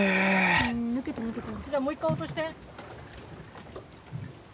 じゃあもう一回落として。